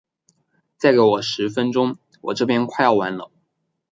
再给我十分钟，我这边快要完了。